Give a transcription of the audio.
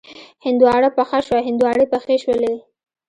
هندواڼه پخه شوه، هندواڼې پخې شولې